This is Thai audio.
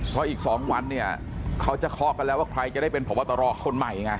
เพราะอีก๒วันเนี่ยเขาจะเคาะกันแล้วว่าใครจะได้เป็นพบตรคนใหม่ไง